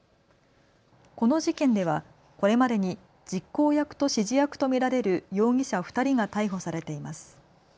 この事件ではこれまでに実行役と指示役と見られる容疑者２人が逮捕されています。